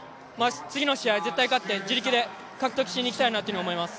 次の試合、絶対勝って自力で獲得しに行きたいなと思います。